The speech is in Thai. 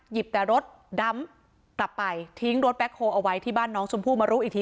แต่รถดำกลับไปทิ้งรถแบ็คโฮลเอาไว้ที่บ้านน้องชมพู่มารู้อีกที